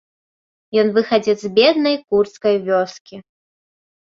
Ён выхадзец з беднай курдскай вёскі.